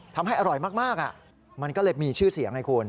ทำให้อร่อยมากมันก็เลยมีชื่อเสียงให้คุณ